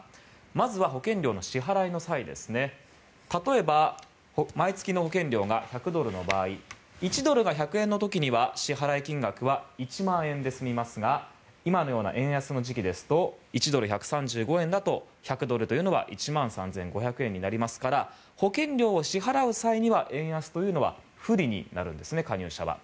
まずは保険料の支払いの際例えば、毎月の保険料が１００ドルの場合１ドルが１００円の時には支払金額は１万円で済みますが今のような円安の時期ですと１ドル＝１３５円だと１００ドルというのは１万３５００円になりますから保険料を支払う際には円安というのは不利になるんですね、加入者は。